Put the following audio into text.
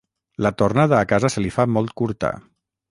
La tornada a casa se li fa molt curta.